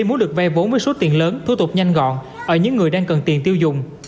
muốn được vay vốn với số tiền lớn thu tục nhanh gọn ở những người đang cần tiền tiêu dùng